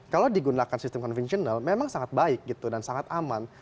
kalau digunakan sistem konvensional memang sangat baik gitu dan sangat aman